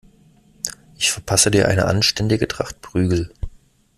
Ich verpasse dir eine anständige Tracht Prügel.